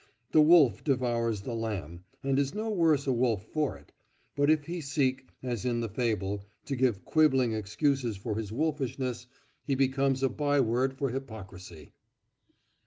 The wolf devours the lamb, and is no worse a wolf for it; but if he seek, as in the fable, to give quibbling excuses for his wolfishness, he becomes a byword for hypocrisy.